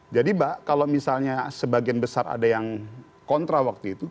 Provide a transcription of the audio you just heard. jadi mbak kalau misalnya sebagian besar ada yang kontra waktu itu